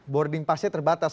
boarding pasnya terbatas